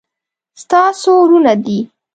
ستا څو ورونه دي